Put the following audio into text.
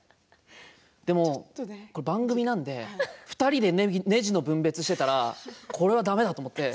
でも、これ番組なので２人でねじの分別していたらこれは、だめだと思って。